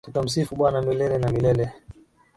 Tutamsifu bwana milele na milele